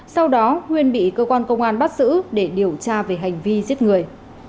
sau đó huyên bị cơ quan công an bắt xử để điều tra về hành vi giết người